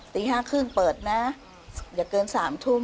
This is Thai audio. ตี๕๓๐เปิดนะอย่าเกิน๓ทุ่ม